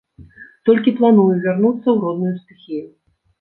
Толькі планую вярнуцца ў родную стыхію.